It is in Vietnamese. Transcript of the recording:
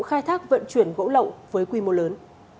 khai thác vận chuyển gỗ lậu với quy mô lớn